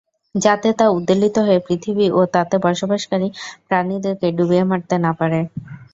যাতে তা উদ্বেলিত হয়ে পৃথিবী ও তাতে বসবাসকারী প্রাণীদেরকে ডুবিয়ে মারতে না পারে।